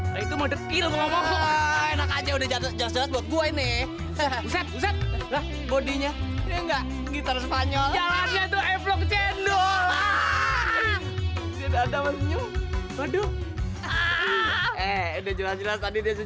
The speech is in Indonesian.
buat gue nih bodinya enggak gitar spanyol itu efek cendol ada senyum aduh eh udah jelas jelas